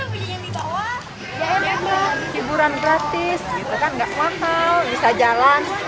kita punya yang di bawah jalan jalan hiburan gratis gak wang wang bisa jalan